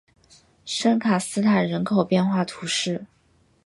圣卡斯坦人口变化图示